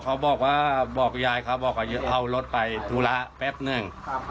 เขาออกไปคนเดียวหรือทางเพื่อน